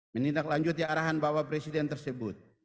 menindaklanjut di arahan bapak presiden tersebut